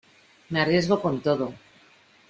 me arriesgo con todo.